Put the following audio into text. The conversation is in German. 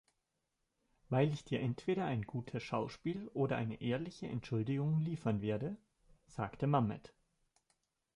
„Weil ich dir entweder ein gutes Schauspiel oder eine ehrliche Entschuldigung liefern werde“, sagte Mamet.